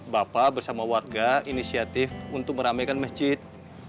bapak bersama warga inisiatif untuk meramaikan masjid